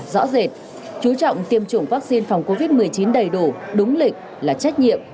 rõ rệt chú trọng tiêm chủng vaccine phòng covid một mươi chín đầy đủ đúng lịch là trách nhiệm